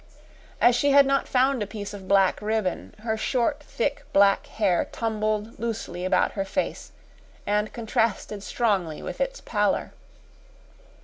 As she had not found a piece of black ribbon, her short, thick, black hair tumbled loosely about her face and contrasted strongly with its pallor.